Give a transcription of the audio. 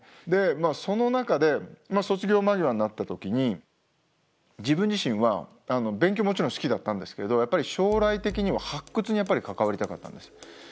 その中で卒業間際になった時に自分自身は勉強もちろん好きだったんですけれどやっぱり将来的には発掘に関わりたかったんです。